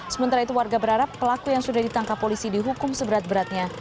sementara itu warga berharap pelaku yang sudah ditangkap polisi dihukum seberat beratnya